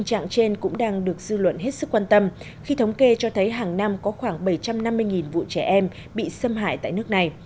tình trạng trên cũng đang được dư luận hết sức quan tâm khi thống kê cho thấy hàng năm có khoảng bảy trăm năm mươi vụ trẻ em bị xâm hại tại nước này